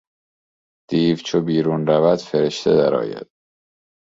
دیو چو بیرون رود فرشته در آید